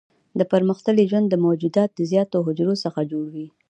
پرمختللي ژوندي موجودات د زیاتو حجرو څخه جوړ وي.